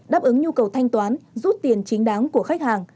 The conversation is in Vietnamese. đáp ứng nhu cầu thanh toán rút tiền chính đáng của khách hàng